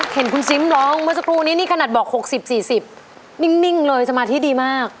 เห็นคุณซิมร้องเมื่อสักครู่นี้นี่ขนาดบอก๖๐๔๐นิ่งเลยสมาธิดีมาก